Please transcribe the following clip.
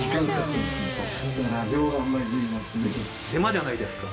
手間じゃないですか。